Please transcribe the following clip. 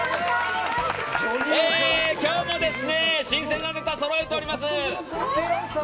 今日も新鮮なネタをそろえております。